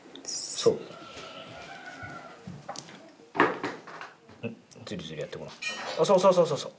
そうそうそうそうそう。